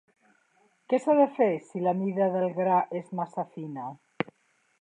Què s'ha de fer si la mida del gra és massa fina?